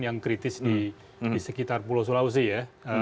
yang kritis di sekitar pulau sulawesi ya